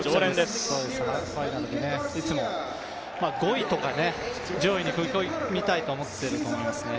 ファイナルにいつも５位とか上位に食い込みたいと思っていると思いますね。